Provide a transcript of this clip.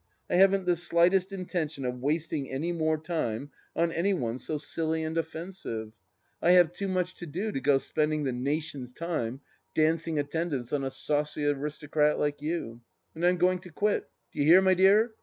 " I haven't the slightest intention of wasting any more time on any one so silly and offensive. I have too THE LAST DITCH 285 much to do, to go spending the nation's time dancing attend ance on a saucy aristocrat like you, and I'm going to quit — d'you hear, my dear